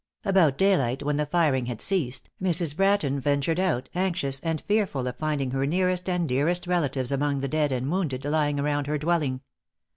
About daylight, when the firing had ceased, Mrs. Bratton ventured out, anxious, and fearful of finding her nearest and dearest relatives among the dead and wounded lying around her dwelling.